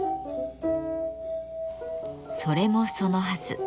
それもそのはず。